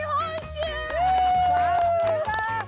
さすが！